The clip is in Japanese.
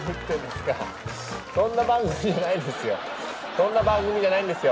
そんな番組じゃないんですよ！